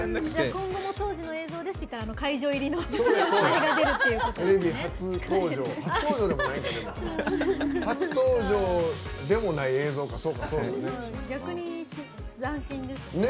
今後も当時の映像ですっていったら会場入りのあれが出るっていうことですね。